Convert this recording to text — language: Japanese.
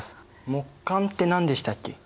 木簡って何でしたっけ？